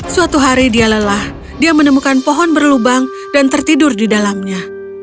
suatu hari dia lelah dia menemukan pohon berlubang dan tertidur di dalamnya